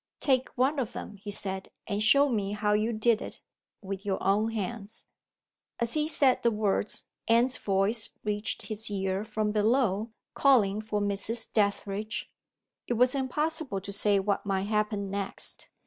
"Take one of them," he said, "and show me how you did it, with your own hands." As he said the words, Anne's voice reached his ear from below, calling for "Mrs. Dethridge." It was impossible to say what might happen next.